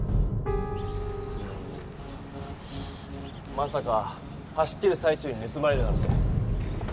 まさか走ってるさい中にぬすまれるなんて。